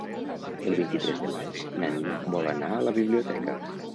El vint-i-tres de maig na Nina vol anar a la biblioteca.